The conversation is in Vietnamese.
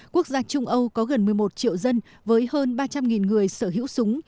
quốc gia trung âu có gần một mươi một triệu dân với hơn ba trăm linh người sở hữu súng